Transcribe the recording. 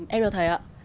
em hiểu thầy ạ